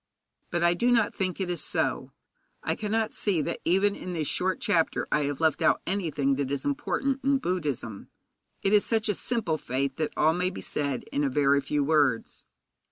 But I do not think it is so. I cannot see that even in this short chapter I have left out anything that is important in Buddhism. It is such a simple faith that all may be said in a very few words.